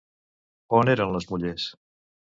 On eren les mullers?